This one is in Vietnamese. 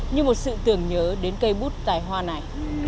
như một sự tưởng nhớ đến cây bút tài hoa này